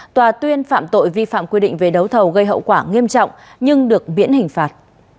tòa tuyên phạm tội vi phạm quy định về đấu thầu gây hậu quả nghiêm trọng nhưng được biễn hình phạt